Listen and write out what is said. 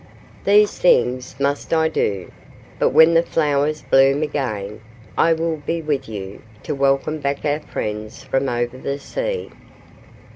These things must I do; but when the flowers bloom again I will be with you, to welcome back our friends from over the sea."